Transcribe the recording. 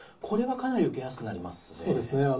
これはかなり受けやすくなりますね。